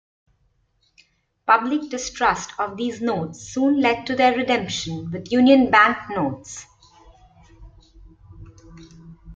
Public distrust of these notes soon led to their redemption with Union Bank notes.